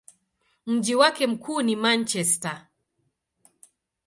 Mji wake mkuu ni Manchester.